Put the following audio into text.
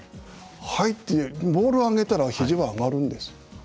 はいってボールを上げたらひじは上がるんです。